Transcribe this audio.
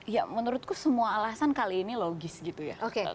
ya menurutku semua alasan kali ini logis gitu ya